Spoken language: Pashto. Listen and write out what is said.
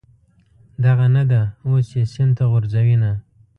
دغه نه ده، اوس یې سین ته غورځوینه.